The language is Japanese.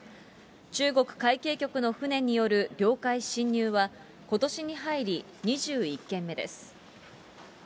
中国海警局の船による領海侵入は、ことしに入り２１件目です。